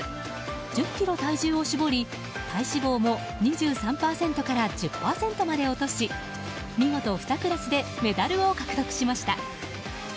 １０ｋｇ体重を絞り、体脂肪も２３％から１０％まで落とし見事２クラスでメダルを獲得しました。